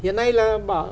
hiện nay là